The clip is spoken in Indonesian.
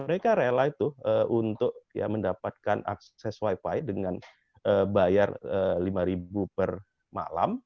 mereka rela tuh untuk mendapatkan akses wifi dengan bayar rp lima per malam